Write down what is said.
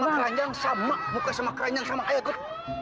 buka sama keranjang sama buka sama keranjang sama ayo ikut